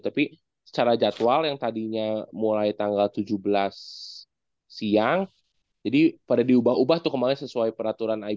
tapi secara jadwal yang tadinya mulai tanggal tujuh belas siang jadi pada diubah ubah tuh kemarin sesuai peraturan ikon